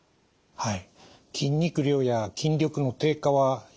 はい。